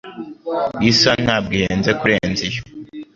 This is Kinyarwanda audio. Iyi saha ntabwo ihenze kurenza iyo.